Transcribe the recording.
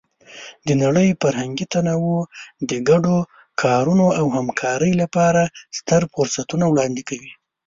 د نړۍ فرهنګي تنوع د ګډو کارونو او همکارۍ لپاره ستر فرصتونه وړاندې کوي.